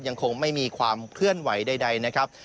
ยังคงไม่มีความเคลื่อนไหวใดนะครับ